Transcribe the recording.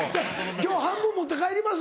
今日半分持って帰ります？